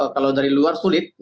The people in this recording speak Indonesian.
kalau dari luar sulit